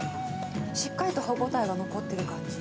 しっかりと歯応えが残っている感じ。